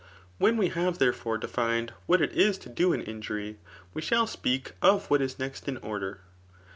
3 When we have therefore defined what it is to do aa injury, we shall speak of what is next in order.